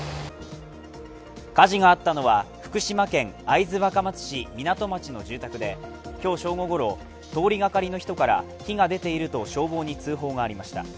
火事があったのは福島県会津若松市湊町の住宅で今日正午ごろ、通りがかりの人から火が出ていると消防に通報がありました。